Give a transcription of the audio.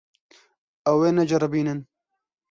Ew ê neceribînin.